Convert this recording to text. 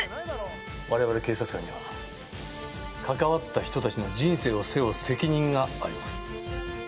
我々警察官には関わった人たちの人生を背負う責任があります。